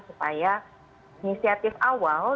supaya inisiatif awal